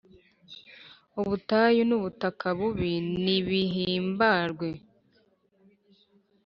Ubutayu n’ubutaka bubi nibihimbarwe,